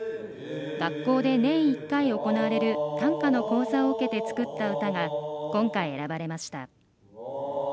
学校で年１回行われる短歌の講座を受けて作った歌が今回、選ばれました。